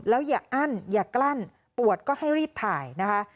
แล้วอย่าอั้นอย่ากลั้นปวดก็ให้รีบถ่ายนะคะ